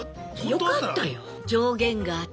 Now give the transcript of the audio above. よかった。